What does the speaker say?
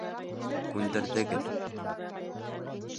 Күндерҙегеҙ.